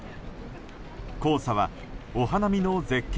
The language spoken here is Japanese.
黄砂はお花見の絶景